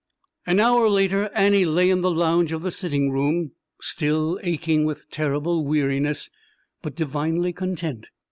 An hour later Annie lay on the lounge in the sitting room, still aching with terrible weariness, but divinely content.